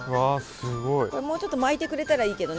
もうちょっと巻いてくれたらいいけどね